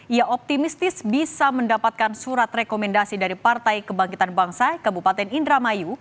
ia optimistis bisa mendapatkan surat rekomendasi dari partai kebangkitan bangsa kabupaten indramayu